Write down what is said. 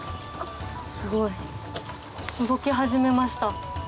すごい動き始めました。